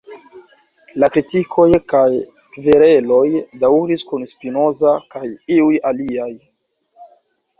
La kritikoj, kaj kvereloj, daŭris kun Spinoza kaj iuj aliaj.